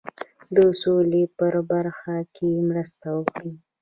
د سولي په برخه کې مرسته وکړي.